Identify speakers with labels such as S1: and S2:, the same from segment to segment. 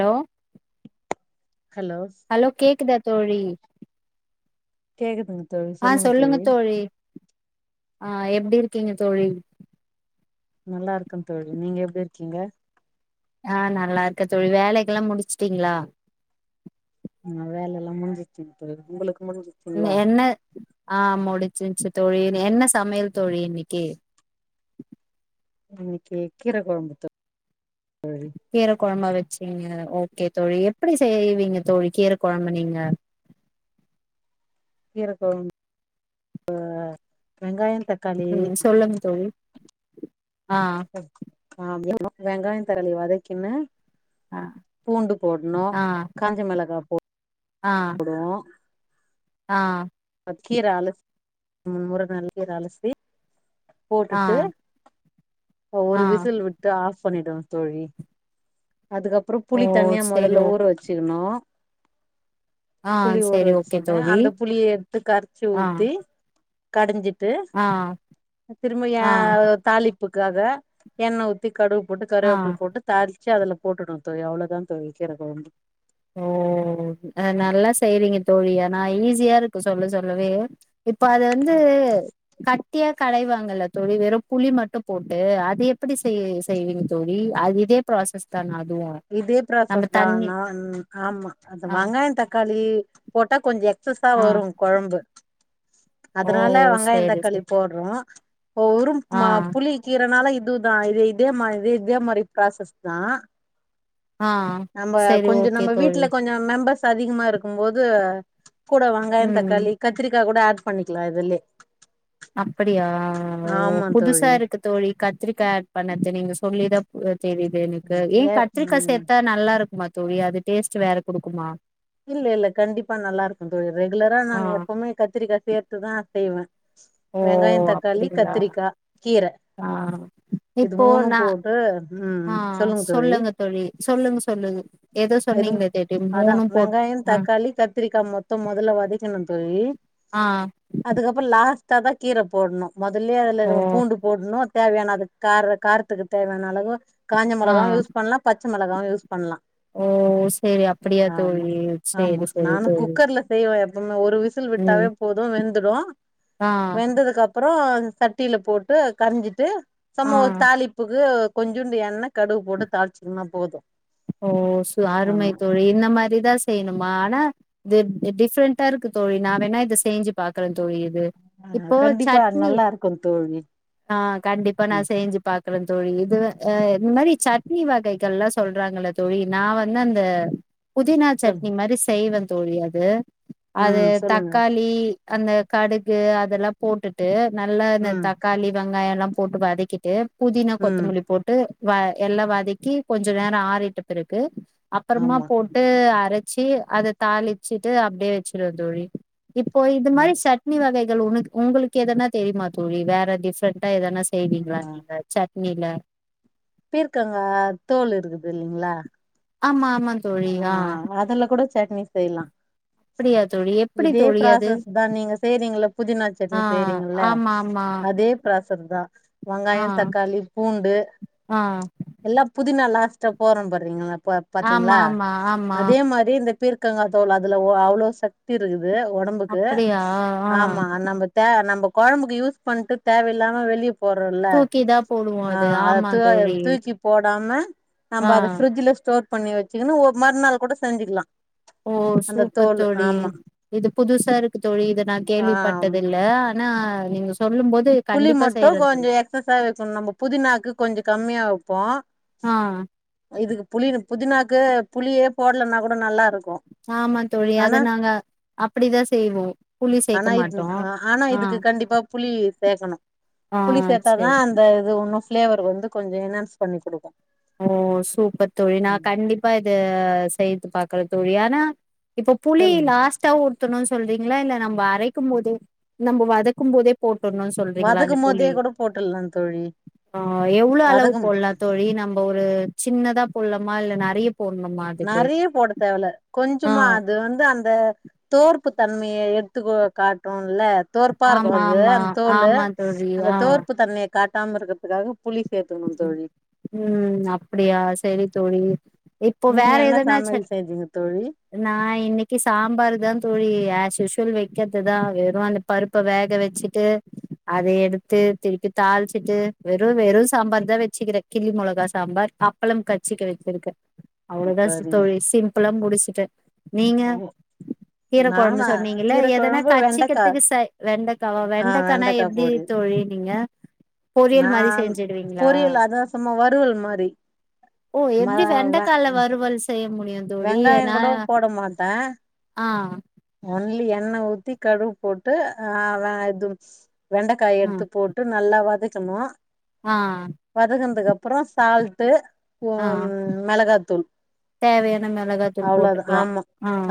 S1: hello
S2: hello
S1: hello கேக்குதா தோழி
S2: கேக்குதுங்க தோழி
S1: ஆ சொல்லுங்க தோழி ஆ எப்டி இருக்கீங்க தோழி
S2: நல்லா இருக்கே தோழி நீங்க எப்டி இருக்கீங்க
S1: ஆ நல்லா இருக்கே தோழி வேலைக்கெல்லா முடிச்சிட்டீங்களா
S2: ஆ வேலை எல்லா முடிஞ்சிடுச்சி தோழி உங்களுக்கு முடிஞ்
S1: என்ன ஆ முடிச்சிருச்சு தோழி என்ன சமையல் தோழி இன்னைக்கு
S2: இன்னைக்கி கீர கொழம்பு தோ
S1: கீர கொழம்பா வச்சீங்க ஓகே தோழி எப்டி செய்வீங்க தோழி கீர கொழம்பு நீங்க
S2: கீர கொழம்பு அ வெங்காயோ தக்
S1: ம் சொல்லுங்க தோழி ஆ
S2: ஆமா வெங்காயோ தக்காளி வதக்கின்னு
S1: ஆ
S2: பூண்டு போட்ணு
S1: ஆ
S2: காஞ்ச மிளகா போட்
S1: ஆ
S2: ஒ
S1: ஆ
S2: கீர ஆலு ம் முருங்கீர நல் அலசி
S1: ஆ
S2: போட்டுட்டு
S1: ஆ
S2: ஒரு விசில் விட் டு ஆஃப் பண்ணிடுவே தோழி அதுக்கப்றோ
S1: ஓ
S2: புளி தனியா
S1: செரி
S2: மொதல்ல
S1: ஓ
S2: ஊற வச்சிக்கனு
S1: ஆ
S2: புளி ஊற
S1: செரி ஓகே
S2: வச்சுருங்க
S1: தோழி
S2: அந்த புளிய எடுத்து கரச்சு
S1: ஆ
S2: ஊத்தி கடஞ்சிட்டு
S1: ஆ
S2: திரும்ப ஏ
S1: ஆ
S2: தாளிப்புக்காக எண்ணெ ஊத்தி கடுகு போட்டு
S1: ஆ
S2: கருவேப்பில போட்டு தாளிச்சு அதுல போட்டுடனு தோழி அவ்ளோதா தோழி கீர கொழம்பு
S1: ஓ நல்லா செய்றீங்க தோழி ஆனா ஈஸியா இருக்கு சொல்ல சொல்லவே இப்போ அது வந்து கட் டியா கடைவாங்கல்ல தோழி வெறும் புளி மட்டு போட்டு அது எப்டி செய் செய்வீங்க தோழி அது இதே ப்ராசஸ்தான அதுவு
S2: இதே
S1: நம்ம
S2: ப்ராசஸ் தா
S1: தண்ணி
S2: ஆனா ஆமா அந்த
S1: ஆ
S2: வெங்காயோ தக்காளி போட்டா கொஞ்ச எக்ஸ் சஸ்ஸா
S1: ஆ
S2: வரு கொழம்பு
S1: ஓ
S2: அதனால வெங்காயோ
S1: சேரி
S2: தக்காளி
S1: சேரி
S2: போட் ரு ஒரும்
S1: ஆ
S2: மா புளி கீரனாளே இதுவுதா இதே மாரி இதே மாரி ப்ராசஸ் தா
S1: ஆ
S2: நம்ம
S1: சேரி
S2: கொஞ்ச
S1: ஓகே
S2: நம்ம
S1: தோழி
S2: வீட்டுல கொஞ்ச மெம்பர்ஸ் அதிகமா இருக்கும் போது கூட வெங்காய
S1: ம்
S2: தக்காளி கத்திரிக்காய் கூட ஆட் பண்ணிக்கலா இதுல்யே
S1: அப்டியா ஓ புதுசா இருக்கு தோழி கத்திரிக்கா ஆட் பண்ணது நீங்க சொல்லித்தா தெரியுது எனக்கு ஏ கத்திரிக்காய் சேர்த்தா நல்லா இருக்குமா தோழி அது டேஸ்ட் வேற கொடுக்குமா
S2: இல்ல இல்ல கண்டிப்பா நல்லா இருக்கும் தோழி ரெகுலரா
S1: ஆ
S2: நாங்க எப்பவுமே கத்திரிக்கா சேர்த்துதா செய்வ
S1: ஓ
S2: வெங்காய தக்காளி
S1: அப்டிங்களா
S2: கத்திரிக்கா கீர
S1: ஆ
S2: இது
S1: இப்போ
S2: மூணு
S1: நா
S2: போட்டு ம்
S1: ஆ சொல்லுங்க தோழி சொல்லுங்க சொல்லுங்க ஏதோ
S2: இது
S1: சொன்னீங்களே தேர்டி
S2: அதா
S1: மூணு
S2: வெங்காய தக்காளி கத்திரிக்கா மொத்தம் முதல்ல வதக்கணும் தோழி
S1: ஆ
S2: அதுக்கப்பற லாஸ்ட்டா தா கீர போடணு முதல்லே அதுல
S1: ஓ
S2: நம்ம பூண்டு போடணும் தேவையான அது கார காரத்துக்கு தேவையான அளவு காஞ்ச
S1: ஆ
S2: மிளகா யூஸ் பண்லா பச்ச மிளகாவு யூஸ் பண்லா
S1: ஓ சேரி அப்டியா
S2: ஆமா
S1: தோழி
S2: ஆமா
S1: செரி செரி
S2: நானு
S1: தோழி
S2: குக்கர்ல செய்வ எப்பவுமே ஒரு விசில்
S1: ம்
S2: விட்டாவே போதும் வெந்துரும்
S1: ஆ
S2: வெந்ததுக்கு அப் அப்பறசட்டியில போட்டு கரைஞ்சிட்டு
S1: ஆ
S2: சம ஒரு தாளிப்புக்கு கொஞ்சண்டு எண்ணெ கடுவு போட்டு தாளச்சிக்கந்தா போதும்
S1: ஓ அருமை தோழி இந்த மாதிரி தா செ செய்யணுமா ஆனா இது டிஃப்ரெண்டா இருக்கு த தோழி நா வேணா இத செஞ்சு பாக்குற த தோழி இது
S2: ஆ
S1: இப்போ
S2: கண்டிப்பா
S1: சட்னி
S2: நல்லா இருக்கு தோழி
S1: ஆ கண்டிப்பா நா
S2: ம்
S1: செஞ்சு பாக்கற தோழி இது இந்த மாதிரி சடனி வகைகள் எல்லா சொல் சொல்றாங்கள்ல தோழி நா வந்து அந்த புதினா
S2: சொல்
S1: சட்னி மாரி செய்வே தோழி அது அது
S2: ம் சொல்லுங்க
S1: தக்காளி அந்த கடுகு அதெல்லா போட்டுட்டு நல்லா இந்த
S2: ம்
S1: தக்காளி வெங்காய எல்லா போட்டு வதக்கி ட்டு புதினா
S2: ம்
S1: கொத்தமல்லி போட்டு வ எல்லா வதக்கி கொஞ்ச நேர ஆறிட்ட பிறகு அப்பறமா
S2: ஆமா
S1: போட்டு அரச்சி அத தாளிச்சுட்டு அப்டியே வச்சிருவ தோழி இப்போ இது
S2: ஆ
S1: மாதிரி சட் சட்னி வகைகள் உன உங்களுக்கு எதனா தெரியமா தோழி வேற டிஃப்ரெண்ட்டா எதனா செய்வீங்களா நீங்க சட்னில
S2: பீர்க்கங்க தோல் இருக்குது இல்லங்களா
S1: ஆமா ஆமா
S2: ஆ
S1: தோழி
S2: அததுல கூட சட்னி செய்லா
S1: அப்படியா தோழி எப்படி
S2: இதே
S1: தோழி அது
S2: ப்ராசஸ் தா நீங்க செய்றீங்கள புதினா
S1: ஆ
S2: சட்னி செய்றீங்கள
S1: ஆமா ஆமா
S2: அதே ப்ராசஸ்தா
S1: ஆ
S2: வெங்காய தக்காளி பூண்டு
S1: ஆ
S2: எல்லா புதினா லாஸ்ட்டா போற படுறீங்களா
S1: ஆமா
S2: பாத்தீங்களா
S1: ஆமா ஆமா
S2: அதே மாதிரி இந்த பீர்க் க்கங்காய் தோல் அதுல அவ்ளோ சக்தி இருக்குது உடம்புக்கு
S1: அப்படியா ஆ
S2: ஆமா நமக் தே நம்ம குழம்புக்கு யூஸ் பண்ணிட்டு தேவையில்லாம வெளிய போறோம்ல்ல
S1: தூக்கிதா போடுவோ
S2: ஆ
S1: அது
S2: அத
S1: ஆமா
S2: த
S1: தோழி
S2: தூக்கி போடாம
S1: ஆ
S2: நம்ம அத ஃப்ரிட்ஜில் ஸ்டோர் பண்ணி வச்சுங்கன்னா ஒரு மறுநாள் கூட செஞ்சிக்கலா
S1: ஓ சூப்பர் தோழி இது புதுசா இருக்கு தோழி இத நா
S2: ஆ
S1: கேள்விப்பட்டது இல்ல ஆனா நீங்க சொல்லும் போது
S2: புளி
S1: கண்டிப்பா
S2: மட்டும்
S1: செய்யறே
S2: கொஞ்ச
S1: தோழி
S2: எக்்சசா வைக்கணு நம்ம புதினாக்கு கொஞ்ச கம்மியா வைப்போ
S1: ஆ
S2: இதுக்கு புளி புதினாக்கு புளியே போடலனா கூட நல்லா இருக்கும்
S1: ஆமா தோழி அத நாங்க அப்டிதா செய்வோ புளி சேர்க்க
S2: ஆனா இது
S1: மாட்டோ
S2: ஆனா இதுக்கு கண்டிப்பா புளி பேசணு
S1: ஆ
S2: புளி சேர்த்தா
S1: சரி
S2: தா அந்த இது ஒன்னு ஃப்ளேவர் வந்து கொஞ்ச என்ஹான்ஸ் பண்ணி குடுக்கு
S1: ஓ சூப்பர் தோழி நா
S2: ம்
S1: கண்டிப்பா இத செய்து பாக்குற தோழி ஆனா இப்ப புளி
S2: சொல்லுங்க
S1: லாஸ்ட்டா ஊத்தணுன் சொல்றீங்களா இல்ல நம்ம அரைக்கும் போதே நம்ம வதக்கும் போதே போட்டுர்னுன் சொல்றீங்களா அந்த
S2: வதக்கும்
S1: புளி
S2: போதே கூட போட்டுலா தோழி
S1: ஆ எவ்ளோ அளவு
S2: வதக்கும்
S1: போட்லா தோழி நம்ம ஒரு சின்னதா போட்லமா இல்ல நெறையப் போட்ணுமா
S2: நெறைய போடத் தேவல கொஞ்சமா அது வந்து அந்த தொவர்ப்பு தன்மைய எடுத்துக்கு காட்டூல்ல துவர்ப்பா இருக்கு
S1: ஆமா
S2: அது
S1: ஆமா
S2: அந்த தோலு
S1: ஆமா தோழி
S2: அந்த
S1: ஆ
S2: தொவர்ப்பு தன்மைய காட்டாம இருக்குறதுக்காக புளி சேர்த்துக்கணும் தோழி
S1: ம் அப்புடியா செரி தோழி இப்போ
S2: நீங்க
S1: வேற
S2: என்ன
S1: எதனாச்சு
S2: சமையல் செஞ்சீங்க தோழி
S1: நா இன்னைக்கி சாம்பரு தா தோழி ஆஸ்யூசுவல் வைக்கிறதுதா வெறு அந்த பருப்ப வேக வச்சுட்டு அத எடுத்து திருப்பி தாளிச்சிட்டு வெறு வெறு சாம்பார் தா வெச்சுக்குறே கிள்ளி மொளகா சாம்பார் அப்பளம் கட்ச்சுக்க வச்சிருக்கு அவ்ளோதா
S2: சரிங்
S1: தோழி சிம்புளா முடிச்சுட்டே நீங்க
S2: ஓ
S1: கீரக்கொழம்பு
S2: நானா
S1: சொன்னீங்கல்ல
S2: கீர
S1: எதன்னா
S2: கொழம்பு வெண்டக்கா
S1: கட்ச்சிக்கிறதுக்கு ச வெண்டக் காவா
S2: ஆ
S1: வெண்டைக் கானா
S2: வெண்டக்கா
S1: எப்டி இ
S2: பொரியல்
S1: தோழி நீங்க பொரியல் மாரி
S2: நான்
S1: செஞ்சுட் விடுவீங்களா
S2: பொரியல் அதா சும்மா வறுவல் மாரி
S1: ஓ
S2: ம
S1: எப்டி
S2: வெ
S1: வெண்டைக்கால வரும் ல்சு செய்ய முடியாது
S2: வெங்காயோ கூட போடமாட்டே
S1: ஆ
S2: ஒன்லி எண்ணெ ஊத்தி கடுகு போட்டு ஆ வ இது வெண்டைக்காய
S1: ஆ
S2: எடுத்து போட் ட்டு நல்லா வதக்கணு
S1: ஆ ஆ
S2: வதக்குனதுக்கு அப்றோ சால்ட்டு உ
S1: ஆ
S2: மெளகாத்தூள்
S1: தேவையான மெளகாத்
S2: அவ்ளோ தா ஆமா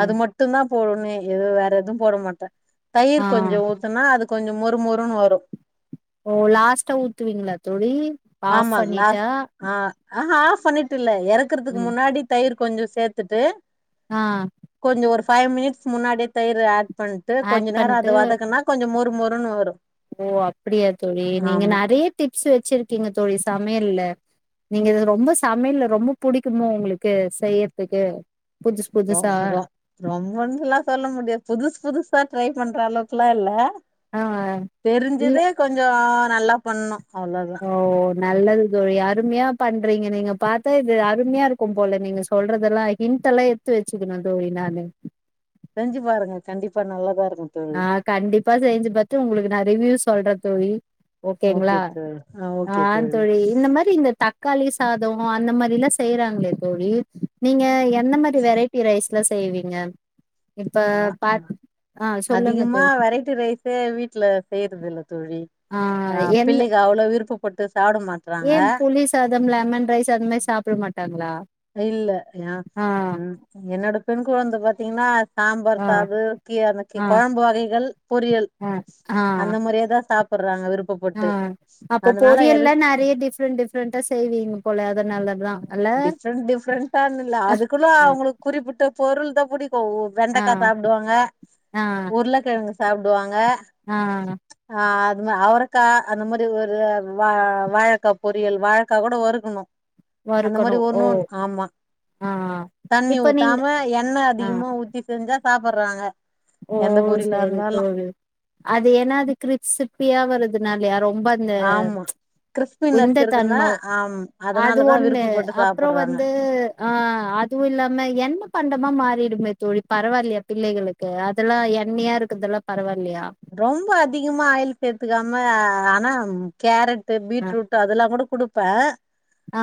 S2: அது மட் மட்டுந்தா போடனு எதுவு வேற எதுவு போட மாட்டே
S1: ஆ
S2: தயிர் கொஞ்ச ஊத் சொன்னா அது கொஞ்சோ மொறுமொறுன்னு வரு
S1: ஓ லாஸ்ட்டா ஊத்துவீங்களா தோழி ஆஃப்
S2: ஆமா லாஸ்ட்
S1: பண்ணிட்டா
S2: ஆ ஆஹா ஆஃப் பண்ணிட்டு இல்ல எறக்குறதுக்கு
S1: ம்
S2: முன்னாடி தயிர் கொஞ்ச சேர்த்துட்டு
S1: ஆ
S2: கொஞ்ச ஒரு ஃபைவ் மினிட்ஸ் முன்னாடியே தயிர் ஆட் பண்ட்டு
S1: ஆட்
S2: கொஞ்ச நேரோ
S1: பண்ட்டு
S2: வதக்குனா கொஞ்ச மறு மொறுன்னு வரு
S1: ஓ அப்புடியா தோழி நீங்க
S2: ஆமா
S1: நெறைய டிப்ஸ் வச்சிருக்கீங்க தோழி சமையல்ல நீங்க ரொம்ப சமையல்ல ரொம்ப புடிக்குமோ உங்களுக்கு செய்றதுக்கு
S2: ரொ ரொ ரொம்பன்லா சொல்ல முடியாது புது புதுசா ட்ரை பண்ற அளவுக்குல்லா இல்ல
S1: ஆ இல்ல
S2: தெரிஞ்சதே கொஞ்சோ நல்லா பண்னணு அவ்ளோதா
S1: ஓ நல்லது தோழி அருமையா பண்றீங்க நீங்க பாத்தா இது அருமையா இருக்கும் போல நீங்க சொல்றதெல்லா ஹின்டெல்லா எட்த்து வச்சுக்கணு தோழி நானு
S2: செஞ்சு பாருங்க கண்டிப்பா நல்லாதா இருக்கு தோழி
S1: ஆ கண்டிப்பா செஞ்சு பாத்து உங்களுக்கு நா ரிவ்யூ சொல்றே தோழி
S2: ஓகே
S1: ஓகேங்களா
S2: தோழி
S1: ஆ
S2: ஓகே
S1: தோழி இந்த மாரி இந்த தக்காளி சாதோ அந்த மாரில்லா செய்றாங்களே தோழி நீங்க எப் எந்த மாதிரி வெரைடி ரைஸ்லா செய்வீங்க இப்ப
S2: ஆ
S1: பாத் அ
S2: அதிகமா வெரைட்டி ரைஸே வீட்டுல செய்யற்து இல்ல தோழி ஆ
S1: என்
S2: பிள்ளைக அவ்ளோ விருப்பபட்டு சாப்ட மா
S1: ஏ புளி சாதம் லெமன் ரைஸ் அது மாரி சாப்பட மாட்டாங்களா
S2: இல்ல யா
S1: ஆ
S2: ம் என்னோட பெண் கொழந்த பாத்தீங்கன்னா சாம்பார்
S1: ஆ
S2: சாது கீ அ
S1: ஆ
S2: கொழம்பு வகைகள் பொரியல்
S1: ஆ ஆ
S2: அந்த மாரியேதா சாப் பற்றாங்க விருப்
S1: ஆ அப்போ பொரியல்லா நறைய டிஃப்ரெண்ட் டிஃப்ரெண்ட்டா செய்வீங் போல அதனாலதா அல்ல
S2: டிப்ரண்ட் பானுல்ல அதுக்குள்ள
S1: ஆ
S2: அவங்களுக் குறிப்பிட்ட பொருள் தா புடிக்கு
S1: ஆ
S2: வெண்டக்கா சாப்டுவாங்க
S1: ஆ
S2: உருளக்கெழங்கு சாப்டுவாங்க
S1: ஆ
S2: ஆ அது மா அவரக்கா அந்த மாரி ஒரு வா வாழக்கா பொரியல் வாழக்கா கூட வருக்கணு அந்த
S1: வறுக்கணு
S2: மாரி
S1: ஓ
S2: ஒன்னோன் ஆமா
S1: ஆ
S2: தண்ணி
S1: இப்ப நீங்க
S2: ஊத்தாம எண்ணெ
S1: ஆ
S2: அதிகமா ஊ த்தி செஞ்சா சாப்பற்றாங்க
S1: ஓ சேரி தோழி அது ஏனா அது கிரிப்சிட் ப்பியா வறதுனாலய ரொம்ப அந்த
S2: ஆமா கிறிஸ்பினஸ் இருக்குன்னா
S1: வெந்ததன்ம
S2: ஆம்
S1: அது
S2: அதனாலதா
S1: ஒன்னு
S2: விருப்பப்பட்டு
S1: அப்புறோ
S2: சாப்புட்றாங்க
S1: வந்து ஆ அதுவு இல்லாம என்ன பண்டமா மாறிடுமே தோழி பரவால்லையா பிள்ளைகளுக் க்கு அதெல்லா எண்ணெயா இருக்குதெல்லா பரவால்லியா
S2: ரொம்ப அதிகமா ஆயில் சேத்துக்காம ஆனா கேரட் டு
S1: ஆ
S2: பீட்ரூட்டு அதல்லா கூட குடுப்பே
S1: ஆ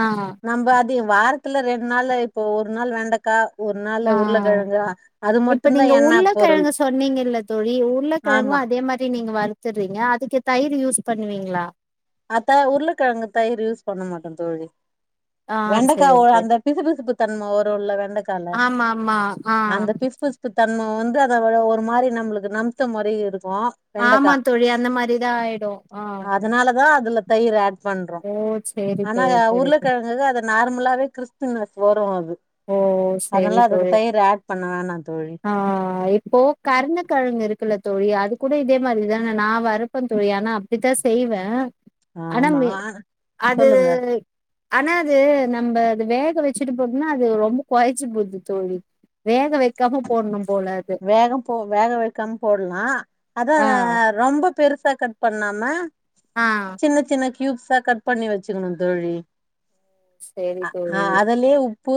S2: நம்ம அது வாரத்துல ரெண் நாள்ளு இப்போ ஒரு நாள் வெண்டக்கா ஒரு
S1: ஆ
S2: நாள்ள உருளக்கெழங்க அது மட்டுதா எண்ணெ பொருள்
S1: ன்னீங்க இல்ல தோழி உருளக்கெழங்கு
S2: ஆமா
S1: அதே மாரி நீங்க வருத்துடுறீங்க அதுக்கு தயிர் யூஸ் பண்ணுவீங்களா
S2: அத உருளக்கெழங்கு தயிர் யூஸ் பண்ண மாட்டோ தோழி
S1: ஆ சேரி
S2: வெண்டைக்காய்
S1: சேரி
S2: அந்த பிசு பிசுப்பு தன்ம ஒரு உள்ள வெண்டைக்கால
S1: ஆமா ஆமா ஆ
S2: அந்த பிசு பிசு தன்மை வந்து அதட ஒரு மாதிரி நம்மளுக்கு நம்பத்த மாரி இருக்கு வெண்டக்கா
S1: ஆமா தோழி அந்த மாரிதா ஆயிடு ஆ
S2: தா அதுல தயிர ஆட் பண்ற
S1: ஓ சேரி
S2: ஆனா அத
S1: தோழி சேரி தோழி
S2: ஊருளக்கெழங்குதா அத நார்மலாவே கிறிஸ்பினஸ் வரு அது
S1: ஓ சரி
S2: அதனாலா அதுக்கு
S1: தோழி
S2: தயிர் ஆட் பண்ண வேனா தோழி
S1: ஆ இப்போ கருணக்கெழங்கு இருக்குல்ல தோழி அது கூட இதே மாதிரிதான நா வறுப்பே தோழி ஆனா த்திதா செய்வே ஆனா
S2: ஆமா
S1: ந்து அது
S2: சொல்லுங்க
S1: ஆனா அது நம்ப அது வேக வெச்சுட்டு போம்னா அ அது ரொம்ப கொழச்சு போது தோழி வேக வெக்காம போட்ணு போல அது
S2: வேகம் போ வேக வெக்காம் போட்லா
S1: ஆ
S2: அதாங்க ரொம்ப பெருசா கட் பண்ணாம
S1: ஆ
S2: சின்ன சின்ன கியூப்ஸ் அ கட் பண்ணி வெச்சிர்னு தோழி
S1: சரி
S2: அ
S1: தோழி
S2: அதல்லியே உ ப்பு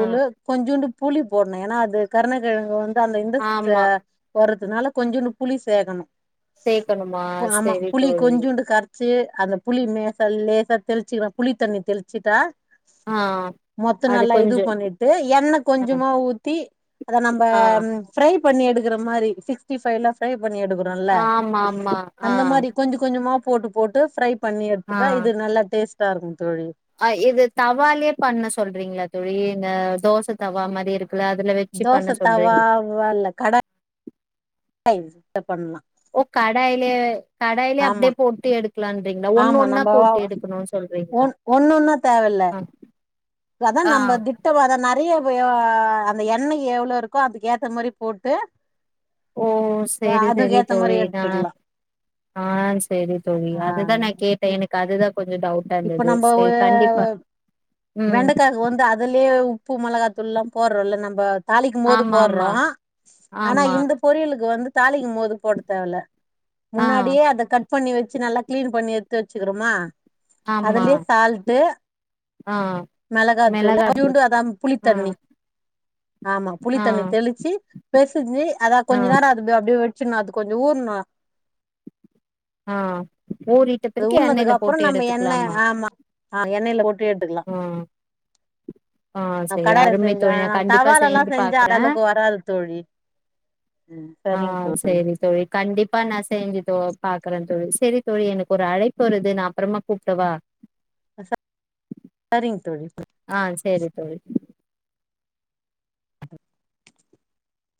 S1: ஆ
S2: கொஞ்சூண்டு புளி போட்னு ஏன்னா அது கருணக்கிழங்கு வந் தா அந்த இந்த ச
S1: ஆமா
S2: வறதுனால கொஞ்சூண்டு புளி சேகனு
S1: சேக்கணுமா
S2: ஆமா
S1: சரி
S2: புளி
S1: தோழி
S2: கொஞ்சுண்டு கர சு அந்த புளி நேசா லேசா தெளிச்சுக்கனு புளி தண்ணி தெளிச்சுட்டா
S1: ஆ
S2: மொத்த
S1: அது
S2: நல்லா இது
S1: கொஞ்சோ
S2: பண்ணிட்டு எண்ணெ
S1: ஆ
S2: கொஞ்சமா ஊத்தி அத நம்ப
S1: ஆ
S2: ஃப்ரை பண்ணி எடுக்கற மாரி சிக்ஸ்டிஃபைலா ஃப்ரை பண்ணி எடுக்க றோல்ல
S1: ஆமா ஆமா ஆ
S2: அந்த மாரி கொஞ்ச கொஞ்சமா போட்டு போட்டு ஃப்ரை பண்ணி எடுத்துட்டா இது நல்லா டேஸ்ட்டா இருக்கும் தோழி
S1: ஆ இது தவாலயே பண்ண சொல்றீங்களா தோழி இந்த தோசை தவா மாறி இருக் க அதுல வச்சு பண்ண சொல்றீங்க
S2: வல கட இது பண்ணலா
S1: ஓ கடாயில கடாயில அப்டியே
S2: ஆமா
S1: போட்டு எடுக்கலா சொல்றிங்களா ஒண்ணு ஒன்னா போட்டு எடுக்கணும்னு சொல்றீங்களா
S2: ஒன்னு ஒன்னா தேவல்ல
S1: ஆ
S2: அதா
S1: ஆ
S2: நம்ம துட் நெறய எண்ணெய் எவ்வளவு இருக்குமோ அதுக்கு ஏத்த மாறி போட்டு
S1: ஓ
S2: அஹ்
S1: செரி சரி
S2: அதுக்கேத்த மாரி
S1: தோழி நா
S2: எடுத்துக்கலாம்
S1: ஆ சேரி தோழி
S2: ஆ
S1: அதுதா நா கேட்டே எனக்கு அதுதா கொஞ்சோ டவுட்
S2: இப்ப நம்ம
S1: ம்
S2: வெண்டக்காக்கு வந்து அது அதுலயே உப்பு மிளகாத்தூள் எல்லா போடுறோல்ல நம்ம தாளிக்கும் போது
S1: ஆமா
S2: போடுறோ
S1: ஆமா
S2: ஆனா
S1: ஆமா
S2: இந்த பொரியலுக்கு வந்து தாளிக்கு போது போட தேவல
S1: ஆ
S2: முன்னாடியே அதை க பண்ணி வச்சு நல்லா கிளீன் பண்ணி எடுத்து வச்சுக்குரோமா
S1: ஆமா ஆ
S2: மிளகா தூள் அது
S1: மிளகாத்தூள்
S2: அதா
S1: ஆ
S2: புளித்தண்ணி ஆமா புளி
S1: ஆ
S2: தண்ணி தெளிச்சு பெசிஞ்சு அத
S1: ஆ
S2: கொஞ்ச நேரோ அது அப்டியே வச்சுனா அது கொஞ்சோ நா
S1: ஆ ஊறிட்ட பிறகு
S2: ஊறனதுக்கு
S1: எண்ணெய்ல
S2: அப்பறோ
S1: போட்டு
S2: நம்ம என்ன
S1: எடுத்துக்கலாமா
S2: ஆமா ஆ எண்ணெய்ள போட்டு எடுத்துக்கலா
S1: ஆ ஆ செரி
S2: கடாய
S1: அருமை
S2: செஞ்ச
S1: தோழி நா கண்டிப்பா
S2: தவாலல்லா
S1: செஞ்சு
S2: செஞ்சா அந்த
S1: பாக்குறே
S2: அளவுக்கு வராது தோழி ம்
S1: ஆ
S2: சரிங்க தோழி
S1: செரி தோழி கண்டிப்பா நா செஞ்சு தோ பாக்குறே தோழி சரி தோழி எனக்கு ஒரு அழைப்பு வருது நா அப்புறமா கூப்பிடவா
S2: சரிங் தோழி
S1: ஆ சேரி தோழி
S2: [inaudible]